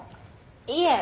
いえ。